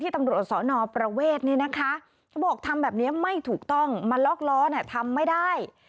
ทำแบบนี้ไม่ถูกต้องมาล็อกล้อทำไม่ได้